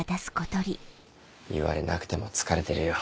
言われなくても疲れてるよ。